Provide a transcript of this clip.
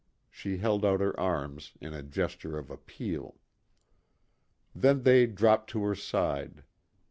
She held out her arms, in a gesture of appeal. Then they dropped to her side.